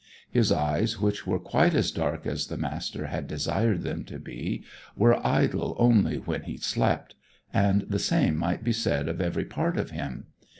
His eyes, which were quite as dark as the Master had desired them to be, were idle only when he slept; and the same might have been said of every part of him.